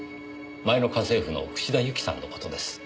前の家政婦の串田ユキさんの事です。